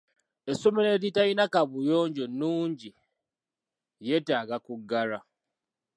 Essomero eritalina kaabuyonjo nnungi lyetaaga kuggalwa.